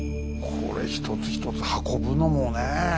これ一つ一つ運ぶのもねえ